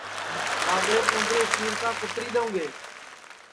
ڈؔاگݪیپ اُوندرے سِیرکاں کُتری دؔیؤں گے